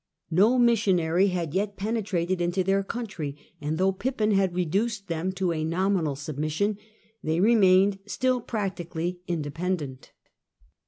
No missionary had yet penetrated into their country, and though Pippin had reduced them to a nominal submission they remained still practically independent.